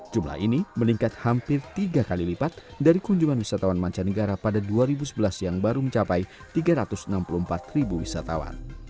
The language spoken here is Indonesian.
jumlah ini meningkat hampir tiga kali lipat dari kunjungan wisatawan mancanegara pada dua ribu sebelas yang baru mencapai tiga ratus enam puluh empat ribu wisatawan